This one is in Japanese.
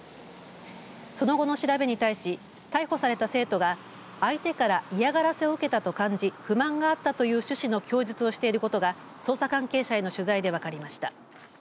その後の調べに対し逮捕された生徒が相手から嫌がらせを受けたと感じ不満があったという趣旨の供述をしていることが捜査関係者への取材で分かりました。